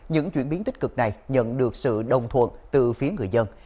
những chuyển biến tích cực này nhận được sự đồng thuận từ phía người dân